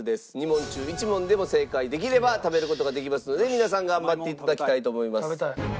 ２問中１問でも正解できれば食べる事ができますので皆さん頑張って頂きたいと思います。